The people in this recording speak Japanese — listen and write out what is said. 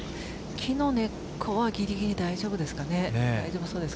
木の根っこはぎりぎり大丈夫ですかね。